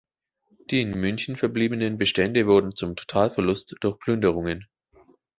Die in München verbliebenen Bestände wurden zum Totalverlust durch Plünderungen.